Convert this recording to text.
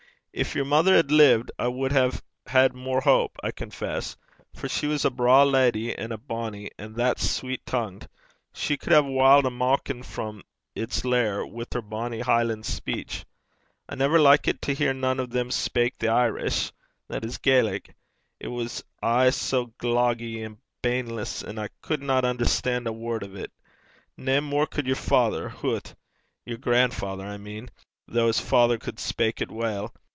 Gin yer mother had lived, I wad hae had mair houp, I confess, for she was a braw leddy and a bonny, and that sweet tongued! She cud hae wiled a maukin frae its lair wi' her bonnie Hielan' speech. I never likit to hear nane o' them speyk the Erse (Irish, that is, Gaelic), it was aye sae gloggie and baneless; and I cudna unnerstan' ae word o' 't. Nae mair cud yer father hoot! yer gran'father, I mean though his father cud speyk it weel.